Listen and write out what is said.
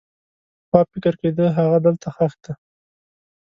پخوا فکر کېده هغه دلته ښخ دی.